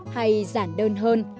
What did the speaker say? hay giản đơn hơn